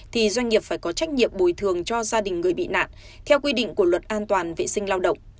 thì doanh nghiệp phải có trách nhiệm bồi thường cho gia đình người bị nạn theo quy định của luật an toàn vệ sinh lao động